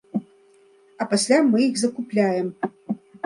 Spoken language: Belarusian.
А пасля мы іх закупляем!